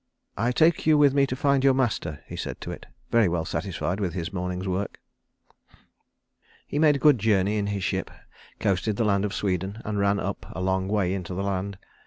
"I take you with me to find your master," he said to it, very well satisfied with his morning's work. He made a good journey in his ship, coasted the land of Sweden and ran up a long way into the land.